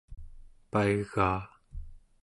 paigaa